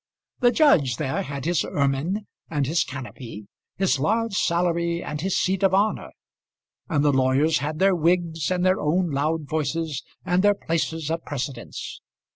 The judge there had his ermine and his canopy, his large salary and his seat of honour. And the lawyers had their wigs, and their own loud voices, and their places of precedence.